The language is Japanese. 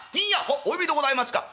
「はっお呼びでございますか」。